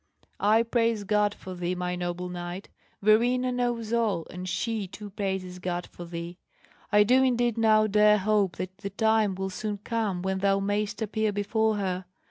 "I praise God for thee, my noble knight. Verena knows all, and she too praises God for thee. I do indeed now dare hope that the time will soon come when thou mayst appear before her.